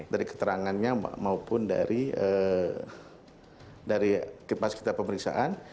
dari keterangannya maupun dari kipas kita pemeriksaan